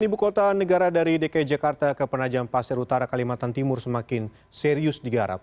ibu kota negara dari dki jakarta ke penajam pasir utara kalimantan timur semakin serius digarap